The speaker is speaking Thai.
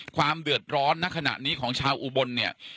ความเดือดร้อนณขณะนี้ของชาวอุบลเนี่ย